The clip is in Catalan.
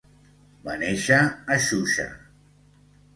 Va néixer a Shusha.